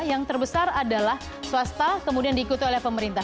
yang terbesar adalah swasta kemudian diikuti oleh pemerintah